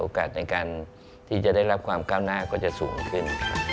ในการที่จะได้รับความก้าวหน้าก็จะสูงขึ้น